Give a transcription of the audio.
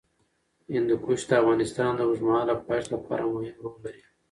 هندوکش د افغانستان د اوږدمهاله پایښت لپاره مهم رول لري.